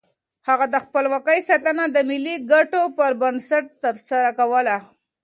هغه د خپلواکۍ ساتنه د ملي ګټو پر بنسټ ترسره کوله.